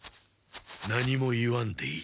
何も言わんでいい。